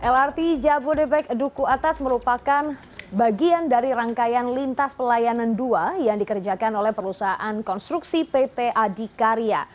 lrt jabodebek duku atas merupakan bagian dari rangkaian lintas pelayanan dua yang dikerjakan oleh perusahaan konstruksi pt adikarya